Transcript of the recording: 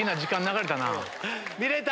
見れた？